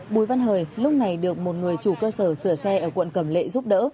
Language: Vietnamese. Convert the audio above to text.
bùi văn hời lúc này được một người chủ cơ sở sửa xe ở quận cầm lệ giúp đỡ